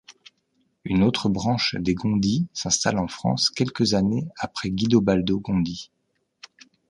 Une autre branche des Gondi s'installe en France quelques années après Guidobaldo Gondi.